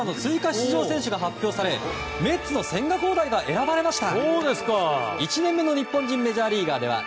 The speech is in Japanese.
出場選手が発表され、メッツの千賀滉大が選ばれました。